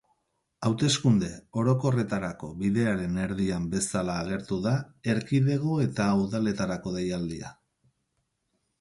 Hauteskunde orokorretarako bidearen erdian bezala agertu da erkidego eta udaletarako deialdia.